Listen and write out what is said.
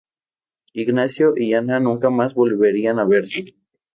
Ignacio y Ana nunca más volverían a verse.